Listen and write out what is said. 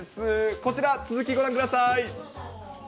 こちら、続きご覧ください。